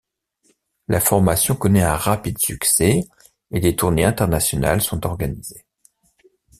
La formation connaît un rapide succès et des tournées internationales sont organisées.